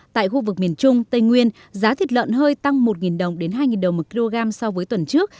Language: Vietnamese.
tại khu vực miền trung tây nguyên giá thịt lợn hơi tăng một đồng đến hai đồng một kg so với tuần trước